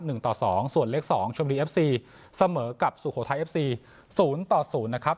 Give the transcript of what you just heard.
หนึ่งต่อสองส่วนเลขสองชนบุรีเอฟซีเสมอกับสุโขทัยเอฟซีศูนย์ต่อศูนย์นะครับ